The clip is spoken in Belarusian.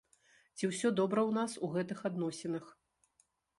Ці ўсё добра ў нас у гэтых адносінах?